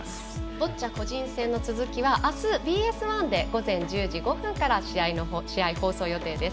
ボッチャ個人戦の続きはあすＢＳ１で午前１０時５分から試合放送予定です。